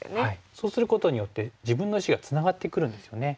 そうすることによって自分の石がツナがってくるんですよね。